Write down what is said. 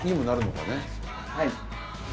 はい。